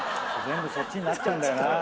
全部そっちになっちゃうんだよ。